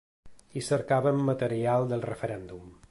Hi cercaven material del referèndum.